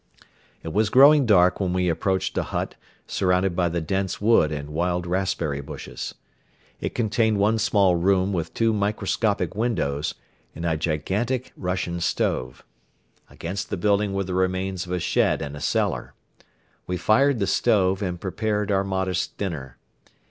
It was growing dark when we approached a hut surrounded by the dense wood and wild raspberry bushes. It contained one small room with two microscopic windows and a gigantic Russian stove. Against the building were the remains of a shed and a cellar. We fired the stove and prepared our modest dinner.